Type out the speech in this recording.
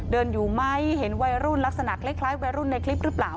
อยู่ไหมเห็นวัยรุ่นลักษณะคล้ายวัยรุ่นในคลิปหรือเปล่า